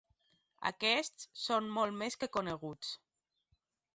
Aquests són molt més que coneguts.